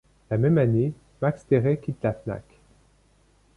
La même année, Max Théret quitte la Fnac.